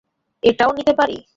এটাও নিতে পারি?